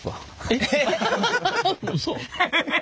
えっうそ。